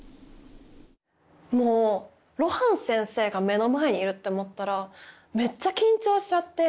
もう露伴先生が目の前にいるって思ったらめっちゃ緊張しちゃって。